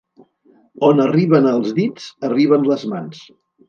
On arriben els dits, arriben les mans.